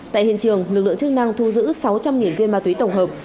tại hiện trường lực lượng chức năng thu giữ sáu trăm linh viên ma túy tổng hợp